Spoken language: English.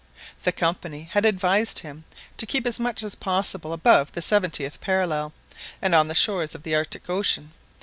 The Company had advised him to keep as much as possible above the seventieth parallel, and on the shores of the Arctic Ocean.